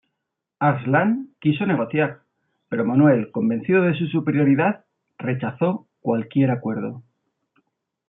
Arslan quiso negociar, pero Manuel, convencido de su superioridad, rechazó cualquier acuerdo.